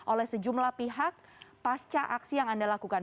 oleh sejumlah pihak pasca aksi yang anda lakukan